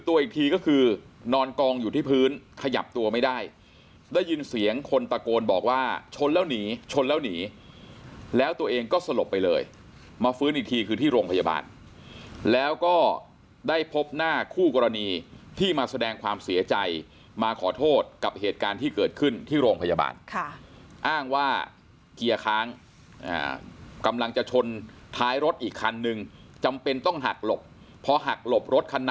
ตัวอีกทีก็คือนอนกองอยู่ที่พื้นขยับตัวไม่ได้ได้ยินเสียงคนตะโกนบอกว่าชนแล้วหนีชนแล้วหนีแล้วตัวเองก็สลบไปเลยมาฟื้นอีกทีคือที่โรงพยาบาลแล้วก็ได้พบหน้าคู่กรณีที่มาแสดงความเสียใจมาขอโทษกับเหตุการณ์ที่เกิดขึ้นที่โรงพยาบาลค่ะอ้างว่าเกียร์ค้างกำลังจะชนท้ายรถอีกคันนึงจำเป็นต้องหักหลบพอหักหลบรถคัน